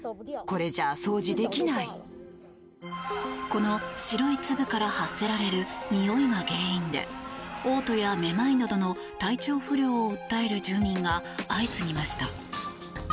この白い粒から発せられるにおいが原因でおう吐やめまいなどの体調不良を訴える住民が相次ぎました。